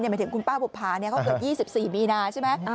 หมายถึงคุณป้าบุภาเขาเกิด๒๔มีนาใช่ไหม